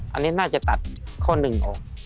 อันนี้น่าจะตัดข้อหนึ่งออก